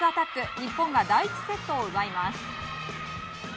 日本が第１セットを奪います。